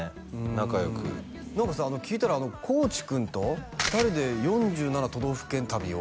仲良く何さ聞いたら地君と２人で４７都道府県旅を？